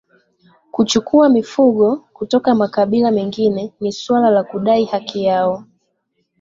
kuchukua mifugo kutoka makabila mengine ni suala la kudai haki yao